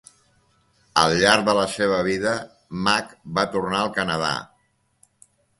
Al llarg de la seva vida, Mack va tornar al Canadà.